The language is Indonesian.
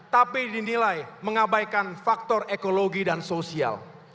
tapi dinilai mengabaikan faktor ekologi dan sosial